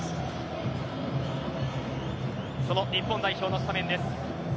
その日本代表のスタメンです。